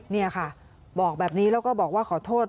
นี่ค่ะบอกแบบนี้แล้วก็บอกว่าขอโทษ